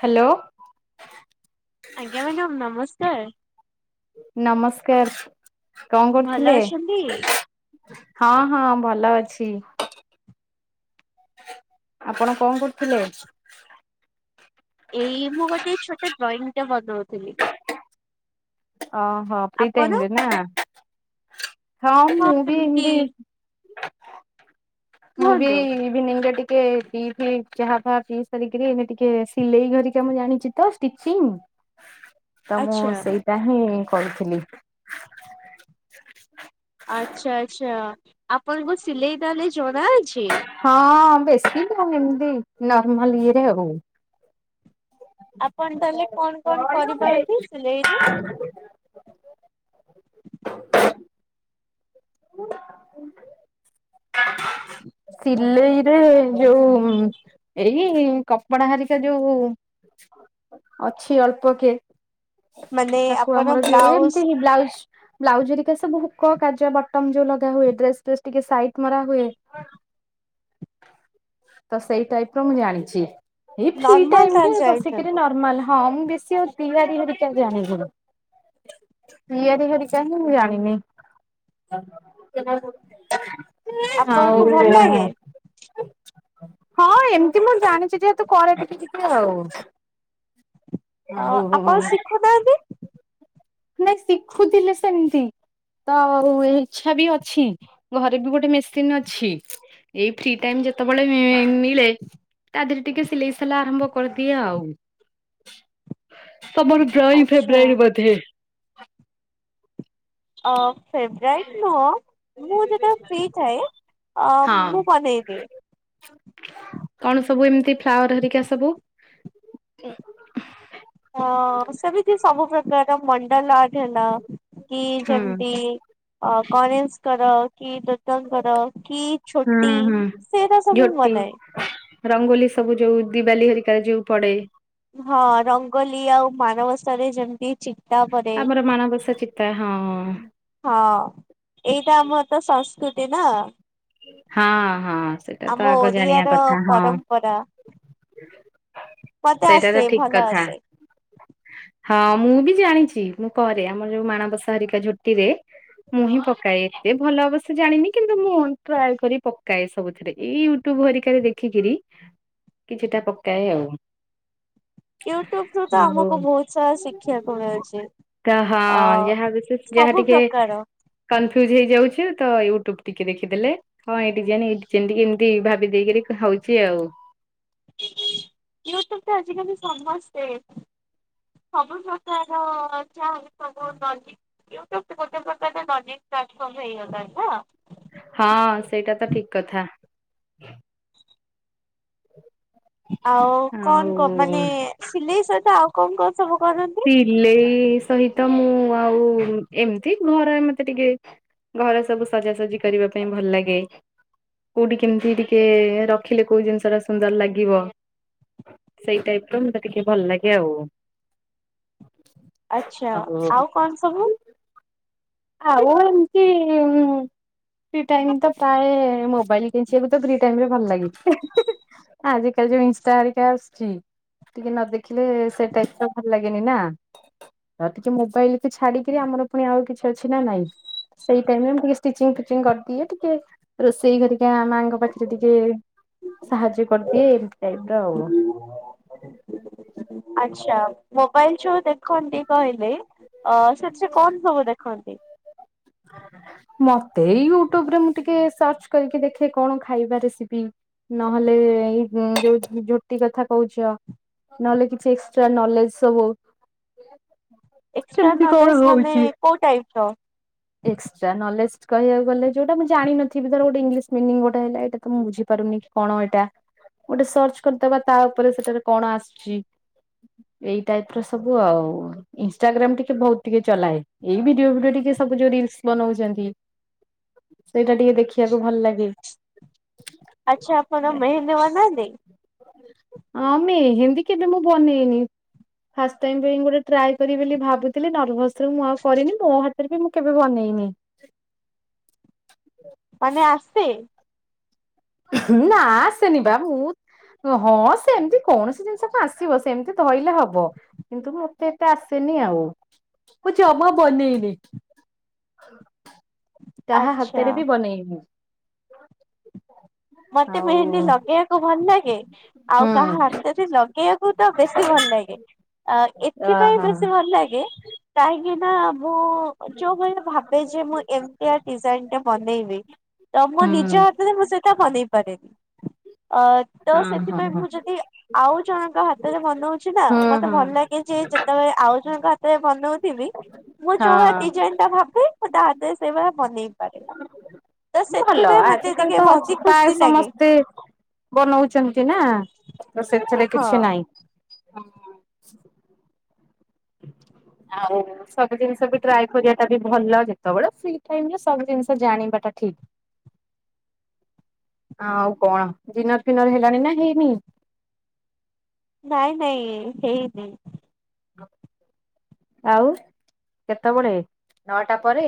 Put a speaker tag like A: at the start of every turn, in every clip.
A: Hello.
B: ଆଜ୍ଞା madam ନମସ୍କାର।
A: ନମସ୍କାର। କଣ
B: ଭଲ
A: କରୁଥିଲେ?
B: ଅଛନ୍ତି?
A: ହଁ ହଁ ଭଲ ଅଛି। ଆପଣ କଣ କରୁଥିଲେ?
B: ଏଇ ମୁଁ ଗୋଟେ ଛୋଟ ଡ୍ରଇଂ ଟା ବନଉଥିଲି।
A: ଓହୋ ପ୍ରୀ
B: ଆପଣ
A: ଟାଇମରେ ନା। ହଁ
B: କଣ
A: ମୁଁ ବି
B: ଏମତି
A: ଏମିତି ମୁଁ ବି
B: କୁହନ୍ତୁ
A: ଇଭିନିଂରେ ଟି କେ ଟୀ ଫୀ ଚା ଫା ପି ସାରିକି ଟିକେ ଏଇନେ ଟିକେ ସିଲେଇ କରିବା ମୁଁ ଜାଣିଚି ତ ଷ୍ଟିଚିଂ ତ ମୁଁ
B: ଆଚ୍ଛା
A: ସେଇଟା ହିଁ କରୁଥିଲି।
B: ଆଚ୍ଛା ଆଚ୍ଛା ଆପଣଙ୍କୁ ସିଲେଇ ତାହଲେ ଜଣା ଅଛି?
A: ହଁ ବେଶୀ ନୁହେଁ ଏମତି ନର୍ମାଲ ଇଏରେ ଆଉ।
B: ଆପଣ ତାହେଲେ କଣ କଣ କରିପାରନ୍ତି ସିଲେଇରେ?
A: [inaudible] [inaudible] ସିଲେଇରେ ଯୋଉ ଏଇ କପଡା ହାରିକା ଯୋଉ ଅଛି ଅଳ୍ପ କେ
B: ମାନେ
A: ତାକୁ
B: ଆପଣ
A: ଆମର ଯୋଉ
B: ବ୍ଲାଉଜ
A: ଏମତି ବ୍ଲାଉଜ ବ୍ଲାଉଜ ହେରିକା ସବୁ ହୁକ କାଜ ବ ବଟମ ଯୋଉ ଲଗା ହୁଏ ଡ୍ରେସ ଫ୍ରେଶ ଟିକେ ସାଇଟ ମରା ହୁଏ ତ ସେଇ ଟାଇପ ର ମୁଁ ଜାଣିଛି। ଏଇ ଫ୍ରୀ
B: ନର୍ମାଲ
A: ଟାଇମ୍ ରେ
B: ତାହେଲେ
A: ବସିକରି
B: ଜାଣିଛନ୍ତି
A: ନର୍ମାଲ ହଁ ମୁଁ ବେଶୀ ଆଉ ତିଆରି ହେରିକା ଜାଣି ତିଆରି ହେରିକା ମୁଁ ଜାଣି ନେଇ। [unintelligible] ଆଉ
B: ଆପଣଙ୍କୁ
A: [unintelligible]
B: ଭଲ ଲାଗେ
A: ହଁ ଏମିତି ମୁଁ ଜାଣିଛି ଯେହେତୁ କରେ ଟିକେ ଟିକେ ଆଉ।
B: ଅ
A: ଆଉ
B: ଆପଣ ଶିଖୁ ନାହାନ୍ତି।
A: ନାଇଁ ଶିଖୁଥିଲେ ସେମିତି। ତ ଇଛା ବି ଅଛି ଘରେ ବି ଗୋଟେ ମେସିନ ଅଛି। ଏଇ ଫ୍ରି ଟାଇମ ଯେତେବେଳେ ମିଳେ ତା ଦେହରେ ଟିକେ ସିଲେଇ ସିଲା ଆରମ୍ଭ କରିଦିଏ ଆଉ। ତମର ଡ୍ରଇଂ
B: ଆଚ୍ଛା
A: ଫେବ୍ରାଇଟ ବୋଧେ।
B: ଅ ଫେବ୍ରାଇଟ ନୁହଁ ମୁଁ ଯତେବେଳେ ଫ୍ରି ଥାଏ ଅ
A: ହଁ
B: ମୁଁ ବନେଇ ଦିଏ।
A: କଣ ସବୁ ଏମତି ଫ୍ଲାୱାର ହେରିକା ସବୁ।
B: ହଁ ସେମିତି ସବୁ ପ୍ରକାର ମଣ୍ଡଲ ଆର୍ଟ ହେଲା କି
A: ହୁଁ।
B: ଯେମତି ଗଣେଶଙ୍କର କି ଦୁର୍ଗାଙ୍କର କି
A: ହୁଁ
B: ଛୋଟି
A: ହୁଁ
B: ସେରା ସବୁ ମୁଁ
A: ଝୋଟି
B: ବନାଏ।
A: ରଙ୍ଗୋଲି ସବୁ ଯୋଉ ଦିୱାଲୀ ହେରିକା ଯୋଉ ପଡେ।
B: ହଁ ରଙ୍ଗୋଲି ଆଉ ମାଣବସାରେ ଯେମ
A: ଆମର ମାଣବସା ଚିତା ହଁ।
B: ହଁ ଏଇଟା ଆମର ତ ସଂସ୍କୃତି ନା।
A: ହଁ ହଁ ସେଟା ତ
B: ଆମ
A: ଆଗ ଜାଣିଆ
B: ଓଡିଆର
A: କଥା ହଁ।
B: ପରମ୍ପରା। ମତେ
A: ସେଇଟା ତ
B: ଆସେ
A: ଠିକ
B: ଭଲ
A: କଥା।
B: ଆସେ।
A: ହଁ ମୁଁ ବି ଜାଣିଚି ମୁଁ କରେ ଆମର ଯୋଉ ମାଣବସା ହେରିକା ଝୋଟିରେ ମୁଁ ହିଁ ପକାଏ ଏତେ ଭଲ ଅବଶ୍ୟ ଜାଣିନି କିନ୍ତୁ ମୁଁ ଟ୍ରାଏ କରି ପକାଏ ସବୁଥିରେ, ଏଇ ୟୁଟ୍ୟୁ ବୁ ହେରିକାରେ ଦେଖିକିରି କିଛିଟା ପକାଏ ଆଉ।
B: ୟୁଟ୍ୟୁବରୁ ତ
A: ଆଉ
B: ଆମକୁ ବହୁତ ଷ ଶିଖିବାକୁ ମିଳୁଚି
A: ତ
B: ଅ
A: ହଁ
B: ସବୁ ପ୍ରକାର।
A: କନଫ୍ୟୁଜ୍ ହେଇ ଯାଉଚି ତ ୟୁଟ୍ୟୁବ ଟିକେ ଦେଖିଦେଲେ ହଁ ଏଇ ଡିଜାଇନ, ଏଇ ଡିଜାଇନ ଟିକେ ଏମତି ଭାବି ଦେଇକିରି ହଉଚି ଆଉ। ହଉ।
B: ୟୁଟ୍ୟୁବ ତ ଆଜିକାଲି ସମସ୍ତେ ସବୁ ପ୍ରକାର ଚା ସବୁ ଲଜିକ, ୟୁଟ୍ୟୁବ ଗୋଟେ ପ୍ରକାର ଲଜିକ। ପ୍ଲାଟଫର୍ମ ହେଇଗଲାଣି ନୁହଁ।
A: ହଁ ସେଇଟା ତ ଠିକ କଥା।
B: ଆଉ
A: ଆଉ
B: କଣ କ ମାନେ ସିଲେଇ ସହିତ ଆଉ କଣ କଣ? ସବୁ କରନ୍ତି?
A: ସିଲେଇ ସହିତ ମୁଁ ଆଉ ଏମତି ଘରେ ମତେ ଟିକେ ଘରେ ସବୁ ସଜାସଜି କରିବା ପାଇଁ ଭଲ ଲାଗେ। କୋଉଠି କେମତି ଟିକେ ରଖିଲେ କୋଉ ଜିନିଷ ଟା ସୁନ୍ଦର ଲାଗିବ। ସେଇ ଟାଇପର ମତେ ଟିକେ ଭଲ ଲାଗେ ଆଉ।
B: ଆଚ୍ଛା। ଆଉ କଣ ସବୁ?
A: ଆଉ ଏମତି ଫ୍ରୀ ଟାଇମ ତ ପାଏ ମୋ ବାଇଲ କେଞ୍ଚିଆକୁ ତ ଫ୍ରୀ ଟାଇମରେ ଭଲଲାଗେ, ଆଜିକାଲି ଯୋଉ ଇନଷ୍ଟା ହେରିକା ଆସୁଚି। ଟିକେ ନ ଦେଖିଲେ ସେ ଟାଇମଟା ଭଲ ଲାଗେନି ନା, ଆଉ କିଛି ମୋବାଇଲକୁ ଛାଡିକିରି ଆ ମର ପୁଣି ଆଉ କିଛି ଅଛି ନା ନାଇଁ, ସେଇ ଟାଇମରେ ମୁଁ ଖାଲି ଷ୍ଟିଚିଙ୍ଗ ଫିଚିଙ୍ଗ କରଦିଏ, ଟିକେ ରୋଷେଇ କରି ଦିଏ ମାଆଙ୍କ ପାଖରେ ଟିକେ ସାହାଯ୍ୟ କରିଦିଏ ଏମତି ଟାଇପର ଆଉ।
B: ଆଛ ମୋବାଇଲ ଯୋଉ ଦେଖନ୍ତି କହିଲେ ଅ ସେଥିରେ କଣ ସବୁ ଦେଖନ୍ତି?
A: ମତେ ଏଇ ୟୁଟ୍ୟୁବ ରେ ମୁଁ ଟିକେ ସର୍ଚ୍ଚ କରିକି ଦେଖେ କଣ ଖାଇବା ରେସିପି, ନହେଲେ ଏଇ ହୁଁ ଯୋଉ ଝୋଟି କଥା କହୁଚ। ନହେଲେ କିଛି ଏକ୍ସଟ୍ରା ନଲେଜ ସବୁ। କଣ
B: ନଲେଜ୍ ମାନେ
A: ହଉଛି?
B: କୋଉ ଟାଇପର?
A: ଏକ୍ସଟ୍ରା ନଲେଜ କହିଆକୁ ଗଲେ ଯୋଉଟା ମୁଁ ଜାଣିନଥିବି, ଧର ଗୋଟେ ଇଂଲିଶ ମିନିଙ୍ଗ ଗୋଟେ ହେଲା ଏଇଟା ତ ମୁଁ ବୁଝିପାରୁନି। କଣ ଏଇଟା? ଗୋଟେ ସର୍ଚ୍ଚ କରିଦବା ତା ଉପରେ ସେଟାରେ କଣ ଆସୁଚି। ଏଇ ଟାଇପର ସବୁ ଆଉ ଇନଷ୍ଟାଗ୍ରାମ ଟିକେ ବହୁତ ଟିକେ ଚଲାଏ ଏଇ ଭିଡିଓ ଫିଡିଓ ଟିକେ ସବୁ ଯୋଉ ରିଲସ ବନଉଚନ୍ତି, ସେଇଟା ଟିକେ ଦେଖିଆକୁ ଭଲ ଲାଗେ।
B: ଆଚ୍ଛା। ଆପଣ ମେହେନ୍ଦୀ ବନାନ୍ତି।
A: ଆ ମେହେନ୍ଦୀ କେବେ ମୁଁ ବନେଇନି। ଫାଷ୍ଟ୍ ଟାଇମ୍ ଗୋଟେ ଟ୍ରାଏ କରି ବୋଲି ଭାବୁଥିଲି ନର୍ଭସ ରେ ମୁଁ ଆଉ କରିନି ମୋ ଫ ବି ମୁଁ କେବେ ବନେଇନି।
B: ମାନେ ଆସେ
A: ନା ଆସେନି ବା ମୁଁ ହଁ ସେମତି କୌଣସି ଜିନିଷ କ ଆସିବ ସେମିତି ଧରିଲେ ହବ କିନ୍ତୁ ମତେ ଏତେ ଆସେନି ନାଇ ଆଉ ମୁ ଜମା ବନେଇନି କାହା
B: ଆଚ୍ଛା।
A: ହାତରେ ବି ବନେଇନି।
B: ମତେ
A: ଆଉ
B: ମେହେନ୍ଦୀ ଲଗେଇବାକୁ ଭଲ ଲାଗେ ଆଉ
A: ହୁଁ
B: ତାହା ହାତରେ ଲ [inaudible] ବେଶୀ ଭଲ ଲାଗେ ଏଥିପାଇ
A: ଓହୋ
B: ବେଶୀ ଭଲ ଲାଗେ କାହିଁକି ନା ମୁଁ ଯୋଉ ଭଳି ଭାବେ ଯେ ମୁଁ ଏମତିଆ ଡିଜାଇନ ଟା ବନେଇବି ତ ମୋ
A: ହୁଁ
B: ନିଜ ହାତରେ ମୁଁ ସେଇଟା ବନେଇ ପାରେନି ଅ ତ
A: ହଁ ହଁ
B: ସେଥିପାଇଁ
A: ହଁ।
B: ମୁଁ ଯଦି ଆଉ ଜଣଙ୍କ ହାତରେ ବନଉଛି ନା
A: ହୁଁ
B: ମତେ
A: ହୁଁ।
B: ଭଲ ଲାଗେ ଯେ ତ ଆଉ ଜଣଙ୍କ ହାତରେ ବନଉଥିବି ମୁଁ ଯୋଉଁ
A: ହଁ
B: ଡିଜାଇନି ଟା ଭା ମୁଁ ତା ହାତରେ ସେଇଭଳିଆ ବନେଇ ପାରେ ତ
A: ଭଲ
B: ସେଥିପାଇଁ ମତେ
A: ଆଜିକାଲି
B: ଟିକେ
A: ହଉଛି
B: ବସି
A: ତ
B: ଖୁସି ଲାଗେ
A: ସମସ୍ତେ ବନଉଛନ୍ତି ନା ତ ସେଥିରେ
B: ହଁ।
A: କିଛି ନାହିଁ ଆଉ ସବୁ ଜିନିଷ ବି ଟ୍ରାଏ କରିବା ଟା ବି ଭଲ ଯେତେବେଳେ ଫ୍ରି ଟାଇମ ରେ ସବୁ ଜିନିଷ ଜାଣିବା ଟା ଠିକ୍। ଆଉ କଣ ଡିନର ଫିନର ହେଲାଣି ନା ହେଇନି?
B: ନାଇଁ ନାଇଁ ହେଇନି।
A: ଆଉ କେତେବେଳେ ନଅଟା ପରେ?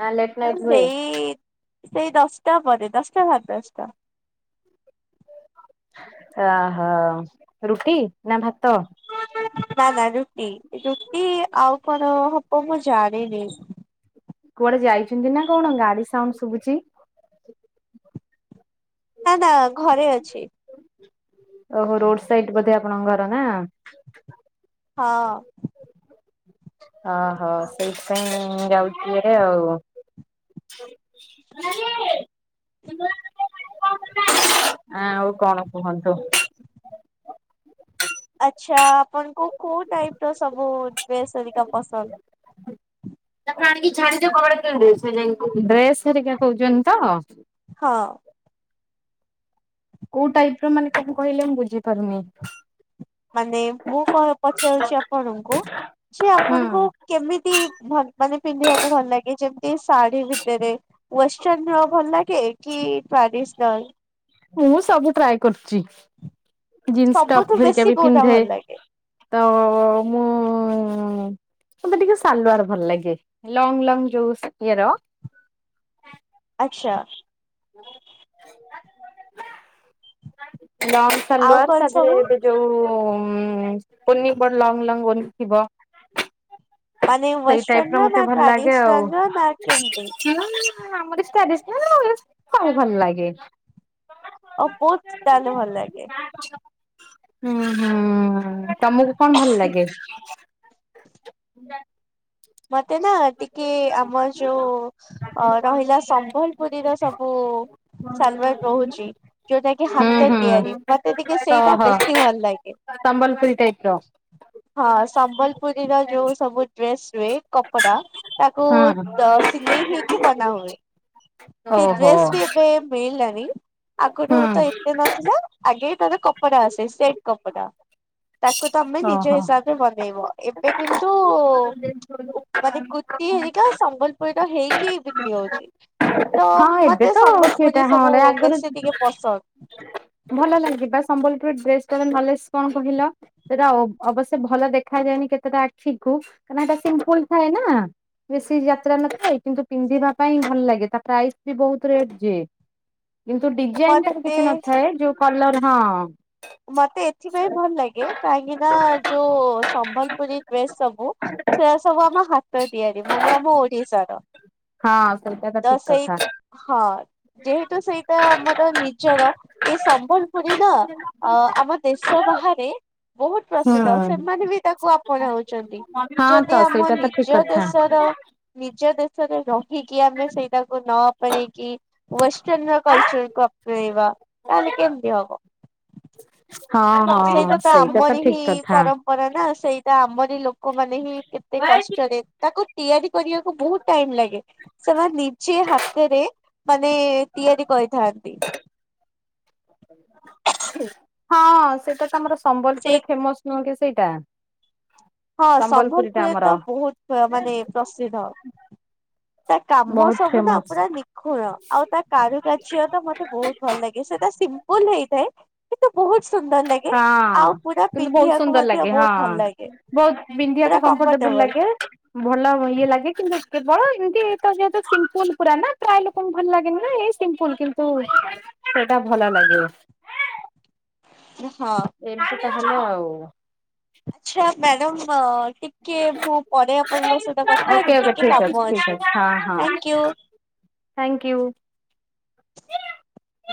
A: ନା ଲେଟ୍ ନାଇଟ୍ ହୁଏ?
B: ସେଇ ସେଇ ଦଶଟା ପରେ ଦଶଟା ସାଢେ ଦଶଟା।
A: ଅହୋ ରୁଟି ନା ଭା
B: ନା ନା ରୁଟି ରୁଟି ଆଉ କଣ ହବ ମ ଜାଣିନି।
A: କୁଆଡେ ଯାଇଛନ୍ତି ନା କଣ ଗାଡି ସାଉଣ୍ଡ ଶୁଭୁଛି?
B: ନା ନା ଘରେ ଅଛି।
A: ଓହୋ ରୋଡ ସାଇଡି ବୋଧେ ଆପଣଙ୍କ ଘର ନା?
B: ହଁ।
A: ଓହୋ ସେଇଥିପାଇଁ ଯାଉଛିରେ ଆଉ [inaudible] ଆ ଆଉ କଣ କୁହନ୍ତୁ? [inaudible]
B: ଆଛା ଆପଣଙ୍କୁ କୋଉ ଟାଇପ ର ସବୁ ଡ୍ରେସ୍ ହେରିକା ପସନ୍ଦ?
A: ତାକୁ ଆଣିକି ଛାଡିଦିଅ କବାଟ [inaudible] ଡ୍ରେସ୍ ହେରୀକା କହୁଛନ୍ତି ତ?
B: ହଁ।
A: କୋଉ ଟାଇପ ର ମାନେ କଣ କହିଲେ ମୁଁ ବୁଝିପାରୁନି?
B: ମାନେ ମୁଁ କଣ ପଚାରୁଛି ଆପଣଙ୍କୁ ସେ ଆପଣଙ୍କୁ
A: ହୁଁ
B: କେମିତି ଭଲ୍ ମାନେ ପିନ୍ଧିବାକୁ ଭଲ ଲାଗେ ଯେମିତି ଶାଢୀ ବି ତେବେ ୱେଷ୍ଟର୍ନ ର ଭଲ ଲାଗେ କି ଟ୍ରାଡିସ୍ନାଲ୍?
A: ମୁଁ ସବୁ ଟ୍ରାଏ କରୁଛି। ଜିନ୍ସ ଟପ୍
B: ସବୁଠୁ
A: ଧରିକା
B: ବେଶୀ
A: ବି
B: କୋଉଟା
A: ପିନ୍ଧେ
B: ଭଲ ଲାଗେ
A: ତ - ମୁଁ - - ମତେ ଟିକେ ସାଲୁଆାର ଭଲ ଲାଗେ ଲଙ୍ଗ ଲଙ୍ଗ ଯୋଉ ଇଏର [inaudible]
B: ଆଛା।
A: [unintelligible] ଲଙ୍ଗ
B: ଆଉ
A: ସାାଲୱାର
B: କଣ
A: ତାପରେ
B: ସବୁ
A: ଏବେ ଯୋଉ କୁନି ବଡ ଲଙ୍ଗ ଲଙ୍ଗ ନି ଥିବ।
B: ମାନେ
A: ସେଇ ଟାଇପ
B: ୱେଷ୍ଟର୍ଣ୍ଣ
A: ର
B: ନା
A: ମତେ ଭଲ ଲାଗେ ଆଉ।
B: ଟ୍ରାଡିସନାଲ ର ନା କେମିତି?
A: ଆମର ଟ୍ରଡିସନାଳ ସବୁ ଭଲ ଲାଗେ।
B: ଅପୋତ ତାହଲେ ଭଲ ଲାଗେ।
A: ହୁଁ ହୁଁ ତମକୁ କଣ ଭଲ ଲାଗେ?
B: ମତେ ନା ଟିକେ ଆମର ଯୋଉ ଅ ରହିଲା ସମ୍ବଲପୁରୀର ସବୁ
A: ହୁଁ
B: ଶଲବାର ରହୁଛି ଯୋଉଟା କି ହାତ
A: ହୁଁ
B: ତିଆରି ମତେ ଟିକେ ସେଇଟା ବେଶୀ ଭଲ ଲାଗେ।
A: ସମ୍ବଲପୁରରି ଟାଇପ ର।
B: ହଁ ସମ୍ବଲପୁରୀର ଯୋଉ ସବୁ ଡ୍ରେସ ହୁଏ କପଡା। ତାକୁ
A: ହୁଁ
B: ସିଲେଇ ହଇକି ବନା ହଏ। ସେ
A: ଓହୋ
B: ଡ୍ରେସ ବି ଏବେ ମିଳିଲାନି ଆଗରୁ
A: ହୁଁ
B: ତ ଏତେ ନଥିଲା ଆଗେ ତାର କପଡା ଆସେ ସେଟ କପଡା ତାକୁ ତମେ ନିଜ
A: ଓହୋ।
B: ହିସାବରେ ବନେଇବ। କିନ୍ତୁ
A: ଲେ
B: ମାନେ କୁତି ହେରିକା ସମ୍ବଲପୁରୀ ର ହେଇକି ବିକ୍ରି ହଉଛି। ତ
A: ହଁ ଏବେ
B: ମତେ
A: ତ ସେଇଟା
B: ସମ୍ବଲପୁରୀ ସବୁ
A: ହଁରେ ଆଗରୁ
B: ବେଶୀ ଟିକେ ପସନ୍ଦ।
A: ଭଲ ଲାଗିବା ସମ୍ବଲପୁର ଡେସ ଭଲ କଣ କହିଲ ସେଟା ଅବଶ୍ୟ ଭଲ ଦେଖା କେତେଟା ଆଖି କାଁକ ଏଟା ସିମ୍ପଲ ଥାଏ ନା। ବେଶୀ ଯାତ୍ରା ନଥାଏ କିନ୍ତୁ ପିନ୍ଧିବା ପାଇଁ ଭଲ ଲାଗେ ତା ପ୍ରାଇସ୍ ବି ବହୁତ ରେଟ ଯେ। କିନ୍ତୁ ଡିଜାଇନ
B: ମତେ
A: କିଛି ନଥାଏ ଯୋଉ କଲର ହଁ।
B: ମତେ ଏଥିପାଇଁ ଭଲ ଲାଗେ କାହିଁକି ନା ଯୋଉ ସମ୍ବଲପୁରୀ ଡ୍ରେସ ସବୁ ସେ ସବୁ ଆମ ହାତ ତିଆରି ମାନେ ଆମ ଓଡିଶାର।
A: ହଁ ସେଇଟା ତ ଠିକ
B: ତସ
A: କଥା।
B: ହ ହଁ। ଯେହେତୁ ସେଇଟା ଆମର ନିଜର ଏ ସମ୍ବଲପୁରୀ ର ଅ ଆମ ଦେଶ ବାହାରେ ବହୁତ ପ୍ରସିଦ୍ଧ
A: ହଁ।
B: ସେମାନେ ବି ତାକୁ ଆପଣାଉଛନ୍ତି
A: ହଁ ତ
B: ଯଦି ଆମ
A: ସେଇଟା ତ ଠିକ
B: ନିଜ
A: କଥା।
B: ଦେଶର ନିଜ ଦେଶରେ ରହିକି ଆମେ ସେଇଟାକୁ ନ ପ କି ଷ୍ଟଣ ର କଲଚର କୁ ଆପଣେଇବା ତାହେଲେ କେମତି ହବ।
A: [inaudible]
B: ସେଇଟା
A: ହଁ
B: ତ ଆମର ହିଁ
A: ଠିକ କଥା।
B: ପରମ୍ପରା ନା ସେଇ ତା ଆମରି ଲୋକମାନୋନ ହିଁ କେତେ କଷ୍ଟରେ ତାକୁ ତିଆରି କରିବାକୁ ବହୁତ ଟାଇମ ଲାଗେ ସେମାନେ ନିଜେ ହାତରେ ମାନେ ତିଆରି କହିଥାନ୍ତି।
A: ହଁ ସେଇଟା ତ ଆମର
B: ସେଇ
A: ସମ୍ବଲପୁରରେ ଫେମସ ନୁହେଁ କି ସେଇଟା।
B: ହଁ
A: ସମ୍ବଲପୁରୀ ଟା
B: ସମ୍ବଲପୁରଳି
A: ଆମର
B: ତ ବହୁତ ମାନେ ପ୍ରସିଦ୍ଧ। ତା କାମ
A: ବହୁତ
B: ସବୁ ନା
A: ଫେମସ
B: ପୁରା ନିଖୁଣ ଆଉ ତା କାରୁକାଅ ତ ମତେ ବହୁତ ଭଲ ଲାଗେ ସେଟା ସି ଭୁଲ ହେଇଥାଏ କିନ୍ତୁ ବହୁତ ସୁନ୍ଦର ଲାଗେ।
A: ହଁ
B: ଆଉ ପୁରା
A: କିନ୍ତୁ ବହୁତ
B: ପିନ୍ଧିବାକୁ
A: ସୁନ୍ଦର
B: ମଧ୍ୟ
A: ଲାଗେ ହଁ
B: ବହୁତ ଭଲ ଲାଗେ
A: ବହୁତ
B: ପୁରା
A: ବିନ୍ଧିଆକୁ କ ଟବୁଲ
B: କମ୍ଫର୍ଟେବଲ
A: ଲାଗେ ଭଲ ଇଏ ଲାଗେ କିନ୍ତୁ କେବଳ ଏମିତି ଏ ଯେତ ସିମ୍ଲ ପୁରା ନା ପ୍ରାୟ ଲୋକଙ୍କୁ ଭଲ ଲାଗେନି ନା ଏିମ୍ଲ କିନ୍ତୁ ସେଟା ଭଲ ଲାଗେ।
B: ହଁ।
A: ହେଲା ଆଉ।
B: ଆଚ୍ଛା ମ୍ୟାଡ଼ମ ଟିକେ ମୁଁ ପରେ ଆପଣଙ୍କ ସହିତ କଥା ହେବି
A: ଓକେ ଓକେ
B: ଟିକେ
A: ଠିକ
B: କାମ
A: ଠିକ
B: ଅଛି
A: ହଁ ହଁ
B: ଙଥାଙ୍କୁ।
A: Thank you.